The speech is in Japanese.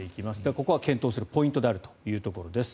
ここは検討するポイントであるというところです。